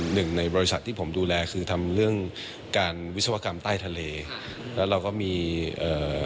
หนึ่งในบริษัทที่ผมดูแลคือทำเรื่องการวิศวกรรมใต้ทะเลแล้วเราก็มีเอ่อ